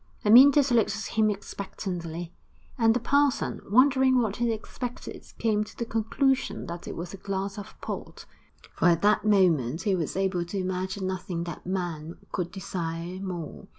Amyntas looked at him expectantly, and the parson, wondering what he expected, came to the conclusion that it was a glass of port, for at that moment he was able to imagine nothing that man could desire more.